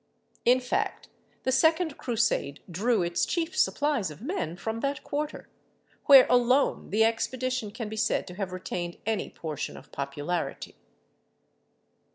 In fact the second Crusade drew its chief supplies of men from that quarter, where alone the expedition can be said to have retained any portion of popularity.